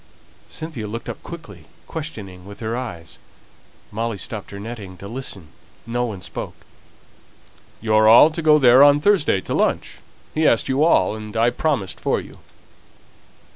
Cynthia looked up quickly, questioning with her eyes; Molly stopped her netting to listen; no one spoke. "You're all to go there on Thursday to lunch; he asked you all, and I promised for you."